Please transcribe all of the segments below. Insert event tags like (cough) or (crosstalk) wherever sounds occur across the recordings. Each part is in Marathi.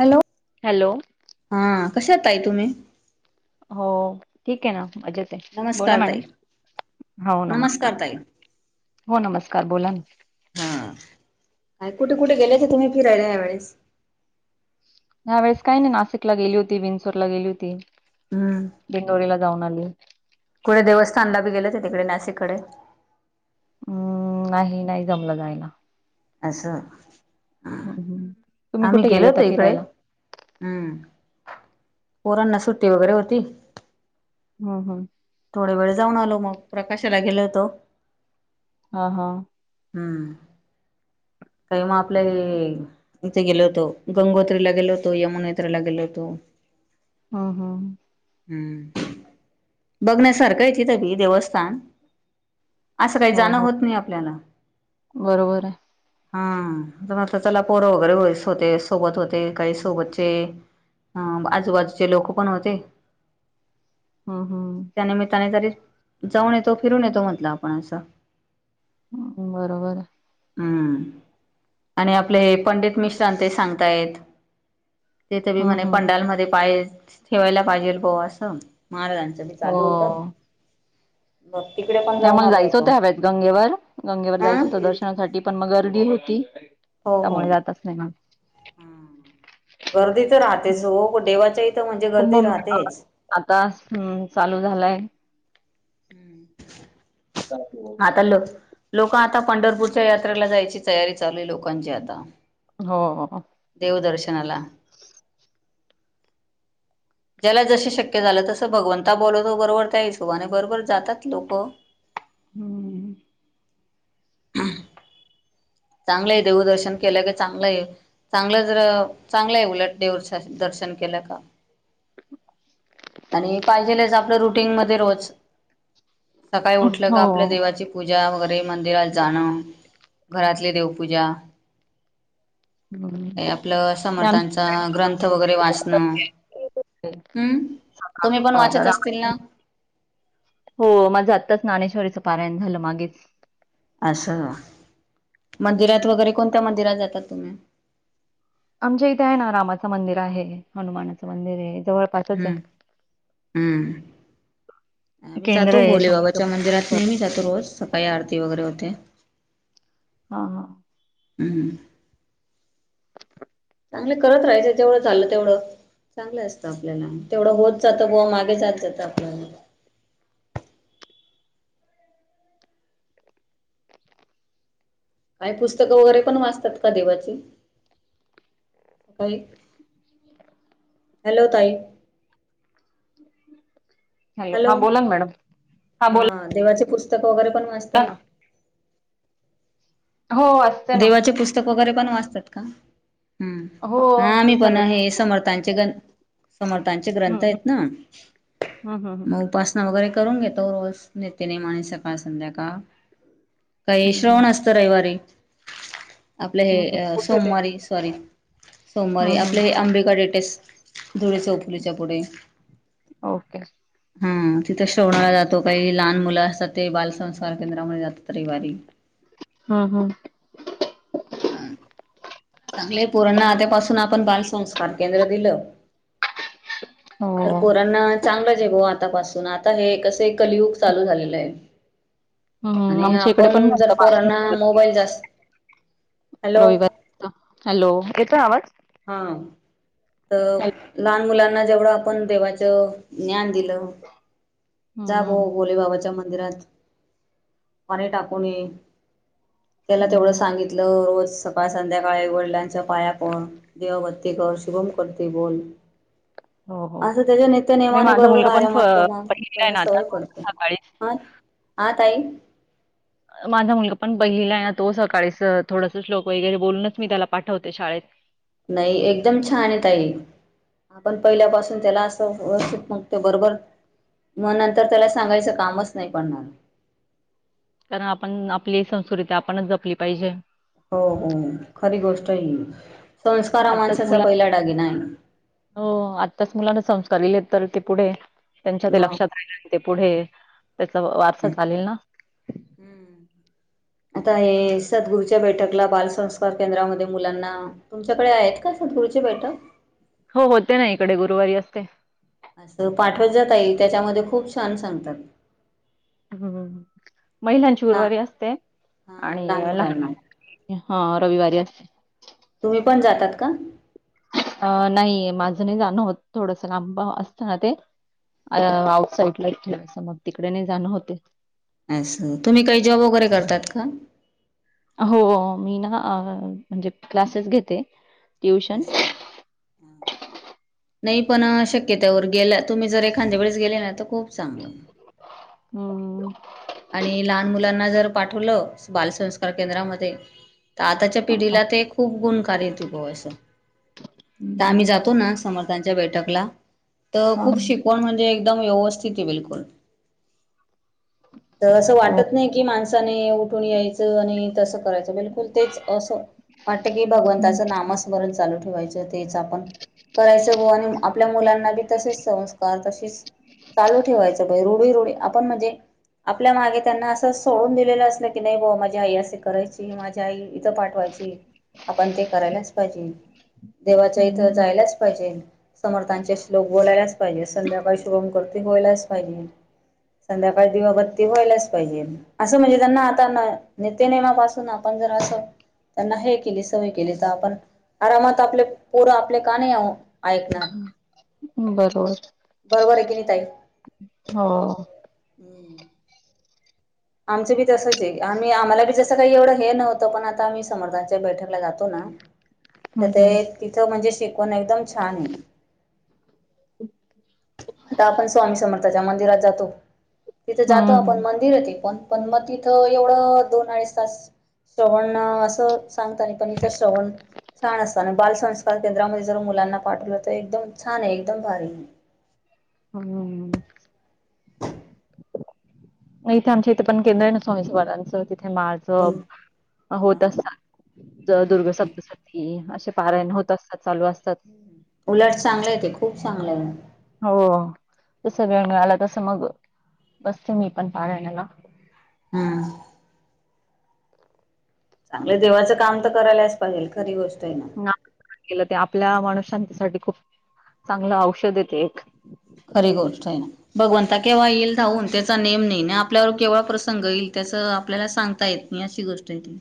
Hello hello. हा कशा आहेत ताई तुम्ही? हो ठीक आहे ना. मजेत आहे. बोला नमस्कार मॅडम ताई हो नमस्कार. हो नमस्कार बोला ना. हा काय कुठे-कुठे गेले होते तुम्ही फिरायला यावेेळेस. ह्या वेळेस काही नाही. नाशिकला गेली होते बिंचोरला गेली होती. हम्म. दिंडोरीला जाऊन आली. पुुठे देवस्थानला बी गेलं तर तिकडे नाशिककडे. हम्म नाही-नाही जमल जायला. आस अ. ह हम्म, हम्म. तुम्ही आम्ही कुठे गेल गेलो होता होतो इकडे, फिरायला आड हम्म. पोरांना सुट्टी वगैरे होती. हुं. हू. थोडे वेळ जाऊन आलो मग, प्रकाशाला गेलो होतो. हा हा. हम्म काही मग आपल्या इथे गेलो होतो गंगोत्रीला गेलो होतो यमुनात्रीला गेलो होतो हम हम हम्म बघण्यासारखं आहे तिथबी देवस्थान असं काही हो जाणं हो होत नाही आपल्याला बरोबर आहे हम मग चला पोरं वगैरे व्हायच होते सोबत होते काही सोबतचे ह आजूबाजूचे लोक पण होते हम्म त्या निमित्ताने तरी- जाऊन येतो फिरून येतो म्हटलं आपण असं- बरोबर आहे? हम्म आणि आपले पंडित मिश्रां ते सांगताय? तेथ बी म्हणे हम्म हम्म पंडालमध्ये पाय ठेवायला पाहिजेल ब असं- महाराजांचं मी हो चालू होत. नाही मला जायचं होत हव्यात गंगेवर गंगेवर जायचं अं होतं दर्शनासाठी पण मग गर्दी होती. हो हो त्यामुळे जातच नाही मग? गर्दी तर राहतेच हो देवाच्या इथं म्हणजे गर्दी कुंभमेळा राहतेच! आता हम चालू झालाय? हम्म आता लो लोक आता पंढरपूरच्या यात्रेला जायची तयारी चालूली लोक. लोकांचे आता. हो हो. देवदर्शनाला. ज्याला जशी शक्य झालं तसं भगवंता बोलवतो बरोबर त्या हिशोबाने बरोबर जातात लोक. हम्म (unintelligible) चांगलं आहे देवदर्शन केलं की चांगलंय. चांगलं जर चांगलंय उलट देवदर्शन दर्शन केलं का. आणि पाहिजेलच आपलं रुटीन मध्ये रोज सकाळी उठलं का आपल्या हो देवाची पूजा वगैरे मंदिरात जाणं. घरातली देवपूजा. काही आपलं ते आमच्या समर्थांचा ग्रंथ वगैरे वाचणं. हम्म तुम्ही पण वाचत असतील ना? हो माझं आत्ताच ज्ञानेश्वरीचं पारायण झालं मागेच- असं मंदिरात वगैरे कोणत्या मंदिरात जातात तुम्ही- आमच्या इथे आहे ना रामाचं मंदिर आहे. हनुमानाचं मंदिर आहे हम्म जवळपासच आहे. हम्म हम्म. आम्ही केंद्र जातो आहे स्वामीच भोलेबाबाच्या मंदिरात हा नेहमी जातो रोज सकाळी आरती वगैरे होते. हा हा हम्म चांगले करत राहायचं जेवढं चाल तेवढं. चांगलं असतं आपल्याला तेवढं होत जातं व मागे जात जात आपल्याला. (unintelligible) काही पुस्तकं वगैरे पण वाचतात का देवाची? का हॅलो ताई हॅलो हा बोला ना मॅडम हा बोला. हो घरी पण ना. वाजतात हो वाचते ना. ग्रंथ पण वाचतात का हो हा आम्ही जसा पण वेळ आहे समर्थच्या. समर्थांचे ग्रंथ हम्म आहेत ना हम्म हम्म हम्म मग उपासना वगैरे. करून घेतो रोज नीती नियमाने आणि सकाळ संध्याकाळ. काही हम्म हम्म. श्रवण असत रविवारी. आपलं हम्म हे कुठे ते सोमवारी सॉरी सोमवारी हम्म आपले हम्म हे अंबिका डेटेस. धुळेच्या उफुलीच्या पुढे- ओके हा तिथं श्रवणाला जातो काही लहान मुलं असतात ते बालसंस्कार केंद्रामध्ये जातात रविवारी. हा हा हम्म चांगले पूर्ण आध्यापासून आपण बालसंस्कार केंद्र दिलं तर हो. पोरांना चांगला जे गो आता आता पासून आता हे कस कलियुग चालू झालेलं आहे. हम्म, आणि आमच्या इकडे पण आपण भरतं जर पोरांना मासे मोबाईल जास्त हॅलो. रविवारी. हॅलो, येतोय आवाज. हा तर हॅलो. लहान मुलांना जेवढं आपण देवाच ज्ञान दिलं जा भाऊ हम्म, भोले बाबाच्या (unintelligible) (unintelligible) पाणी टाकून ये. त्याला तेवढं हम्म. सांगितलं रोज सकाळ संध्याकाळी वडिलांच्या पाया पड. (unintelligible) (unintelligible) शुभम करते बोल. हो, हो. असं त्याच्या नाही नेत्यानेयमाने माझा बरोबर मुलगा पण आया फ मतो मग पहिलीला आहे त्याला ना आता सवय तो पडते. सकाळीच हा, हा ताई. माझा मुलगा पण पहिलीला आहे ना तो सकाळीच थोडस श्लोक वगैरे बोलूनच मी त्याला पाठवते शाळेत. नाही एकदम छान आहे ताई. आपण पहिल्यापासून त्याला असं व्यवस्थित मागतो बरोबर. मग नंतर त्याला सांगायचं कामच नाही पडणार. कारण आपण आपली संस्कृती आपणच जपली पाहिजे हो हो खरी गोष्ट आहे ही. संस्कार हा आत्ताच माणसाचा मुला पहिला दागिना (unintelligible) आहे हो आत्ताच मुलांना संस्कार (unintelligible) तर ते पुढे त्यांच्या ते मग लक्षात (unintelligible) ते पुढे त्याचा वारसा चालेल ना? हं आता हे सदगुरूच्या बैठकला बालसंस्कार केंद्रामध्ये मुलांना तुमच्याकडे आहेत का? (unintelligible) हो, हो ते ना इकडे गुरुवारी असते. असं पाठवत जा ताई त्याच्यामध्ये खूप छान सांगतात. हम्म, महिलांची ला उर्वरारी असते हा आणि लहान ला मुलांना (unintelligible) हा रविवारी असते. तुम्ही पण जातात का? अ नाही माझं नाही जाणं होत थोडस लांब असताना ते. (unintelligible) आउटसाईड ला मग तिकडे नाही जाणं होते. असं, तुम्ही काही जॉब वगैरे करतात का? हो मी ना म्हणजे क्लासेस घेते. ट्युशन असं हा. नाही पण शक्यतोवर गेल्या तुम्ही जर एखाद्या वेळेस गेले ना तर खूप चांगलं. (unintelligible) त्यांना जर पाठवलं बालसंस्कार केंद्रामध्ये तर आताच्या हा पिढीला ते खूप (unintelligible) (unintelligible) आता आम्ही जातो ना समर्थांच्या बैठकला तर हा खूप शिकवण म्हणजे एकदम व्यवस्थित हे बिलकुल. तर असं हो वाटत नाही की माणसाने उठून यायचं आणि तसं करायचं. बिलकुल तेच असं वाटत की हम्म, भगवंताच नाम स्मरण चालू ठेवाय (unintelligible) तेच आपण करायचं बुवा आणि आपल्या मुलांना बी तसेच संस्कार (unintelligible) चालू ठेवायचं बाई रुढी रुढी आपण म्हणजे आपल्या मागे त्यांना असं सोडून दिलेलं असलं की नाही ब माझी आई असे करायची माझ्या आई इथं पाठवायची की आपण ते करायलाच पाहिजे. देवाच्या इथं हम्म, जायलाच पाहिजे. समर्थांचे श्लोक बोलायलाच पाहिजे, संध्याकाळी शुभमकरोति व्हायलाच पाहिजे. संध्याकाळ दिवाबत् ती व्हायलाच पाहिजे, आसं म्हणजे त्यांना न आता नित्यनेमापासून आपण जर असं त्यांना हे केली, सवय केली तर आपण आरामात आपले पोर आपले का नाही आ ऐकणार, बरोबर बरोबर आहे की नाही ताई. हो. आमचं बी तसंच ए, आम्ही आम्हाला बी जसं काही एवढं हे नव्हतं, पण आता आम्ही समर्थाच्या बैठकला जातो ना. ना तर हम्म हम्म ते तिथ म्हणजे शिकवण एकदम छान हाय. आता आपण स्वामी समर्थाच्या मंदिरात जातो तिथं जातो आपण हम्म मंदिर हाय ते, पण पण मग तिथं एवढं दोन अडीच तास श्रवण असं सांगता नाही पण इथ तर श्रवण छान असतना, बालसंस्कार केंद्रामध्ये जर मुलांना पाठवलं, तर एकदम छान आहे, एकदम भारी आहे. (inaudible) ह हुं. इथे आमच्या इथे पण केंद्र आहे ना, स्वामी समर्थानचं तिथे माळजप होना. दुर्ग सप्तसाठी असे पारायण होत असतात. चालू असतात. उलट चांगलं आहे ते खूप चांगलं आहे. हो जस वेळ मिळाला तस मग बसते मी पण पारायणाला. हम्म. चांगले देवाचं काम तर करायलाच पाहिजे खरी गो मग केलं ते आपल्या माणसांच्या साठी खूप चांगलं औषध आहे ते एक. खरी गोष्ट आहे ना भगवंता केव्हा येईल धावून त्याचा नेम नाही ना आपल्यावर केव्हा प्रसंग येईल त्या आपल्याला सांगता येत नाही अशी गोष्ट आहे ती.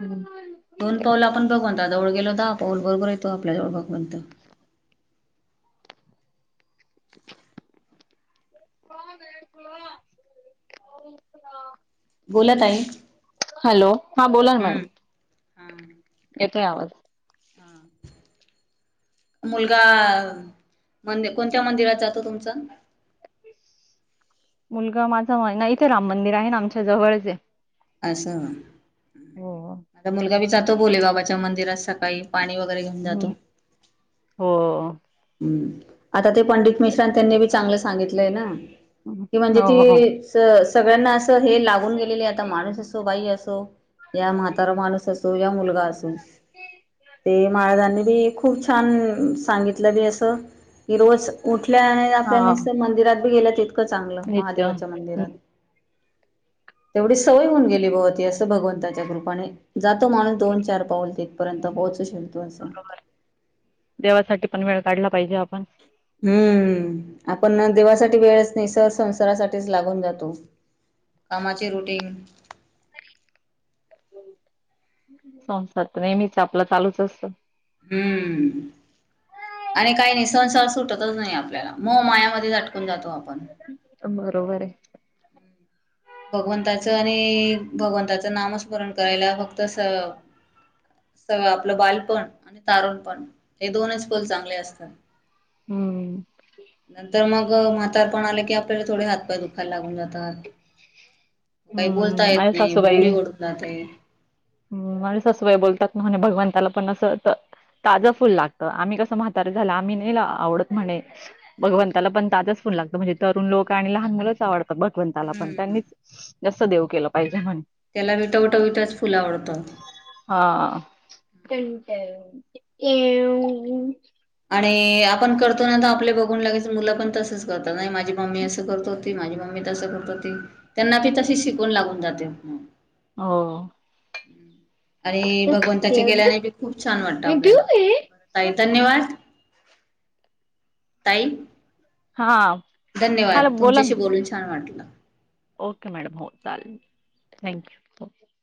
हम्. दोन पाऊल आपण भगवंता जवळ गेलो तर, दहा पाऊल बरोबर येतो आपल्या जवळ भगवंत. (inaudible) (unintelligible) (unintelligible) (inaudible) बोलत आहे. हॅलो, हा बोला ना मॅडम. हा. येतोय आवाज. हा. मुलगा (inaudible) मंदी कोणत्या मंदिरात जातो तुमचा? (inaudible) मुलगा माझा ना इथे राम मंदिर आहे ना आमच्या जवळचे. असं (inaudible) आता मुलगा बी जातो बोलेल बाबाच्या मंदिरात सकाळी. पाणी वगैरे घेऊन जातो. (inaudible) हम्म हो हम्. आता ते पंडित मिश्रान त्यांनी बी चांगलं सांगितलंय ना, की म्हणजे ती हो अ च असं सगळ्यांना असं हे लागून गेलेले आ असो, बाई असो या म्हातारा माणूस असो, या मुलगा असो ते महाराजांनी बी खूप छान सांगितलं. बी आस की, रोज उठल्या आणि आपल्या हा निस्त मंदिरात बी गेल्या इतकं चांगलं. नित्य महादेवाच्या मंदिरात तेवढी सवय होऊन गेली बुवा, ती असं भगवंताच्या कृपाने, जातो माणूस दोन चार पाऊल तिथपर्यंत पोहोचू शकतो. असं देवासाठी पण वेळ काढला पाहिजे आपण हूमम आपण देवासाठी वेळच नाही सर संंसारासाठीच लागून जातो. कामाचे रुटिंग संसार नेहमीच आपलं चालूच असत हम्म आणि काही नाही संसार सुटतच नाही आपल्याला मो मायामध्ये झटकून जातो आपण बरोबर आहे भगवंताचं आणि भगवंताचं नामस्मरण करायला फक्त स सगळ आपलं बालपण आणि तारुण पण हे दोनच पल चांगले असतात हम्म म्हातार पण आले की आपल्याला थोडे हात पाय दुखायला लागून जातात म काही बोलता हम्म येत माझ्या नाही बोगडी ओळखला ते म्ह ससवय बोलतात म्हणे भगवंताला पण असं ताजं फुल लागतं आम्ही कसं म्हातारे झालं आम्ही नाही आवडत म्हणे मग भगवंताला पण ताजच फोन लागत म्हणजे तरुण लोक आणि लहान मुलाच आवडत भगवंताला पण हम्म त्यांनी जास्ं देव केलं पाहिजे म्हणे त्याला विटवट विटच फुल आवडतं तेट ये आणि आपण करतो ना तर आपले बघून लगेच मुलं पण तस करत नाही माझी मम्मी असं करत हो माझी मम्मी तस गणपती त्यांना पी तशी शिकून लागून जाते हो आणि बगवन त्याच्या गेल्याने बी खूप छान वाटत आपल्याला ब तई धन्यवाद तय हा मला धन्यवाद बोला ना तुमच्याशी बोलून छान वाटलं ओके मॅडम हो चालेल थँक्यू